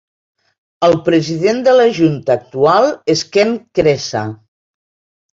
El president de la junta actual és Kent Kresa.